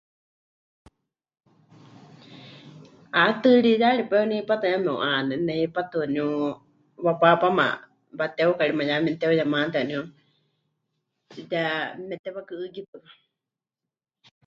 'A, tɨɨriyari paɨ waníu hipátɨ ya mepɨ'ánene, hipátɨ waníu wapaapáma, wateukaríma ya memɨteuyemate waníu ya mepɨtewakɨ'ɨ́kitɨwa.